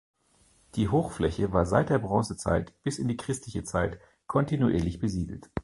Die Hochfläche war seit der Bronzezeit bis in die christliche Zeit kontinuierlich besiedelt.